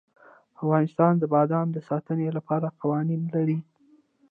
افغانستان د بادام د ساتنې لپاره قوانین لري.